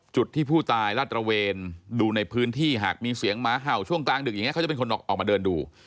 จุดที่ผู้ตายลาดตระเวนดูในพื้นที่หากมีเสียงหมาเห่าช่วงกลางดึกอย่างนี้เขาจะเป็นคนออกมาเดินดู